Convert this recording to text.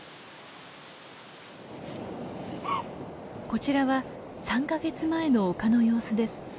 こちらは３か月前の丘の様子です。